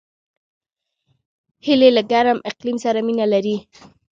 هیلۍ له ګرم اقلیم سره مینه لري